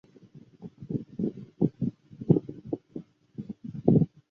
躲在河里的妇女被命令出来沿着河岸坐下。